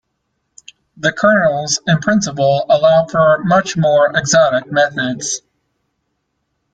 The kernels in principle allow for much more exotic methods.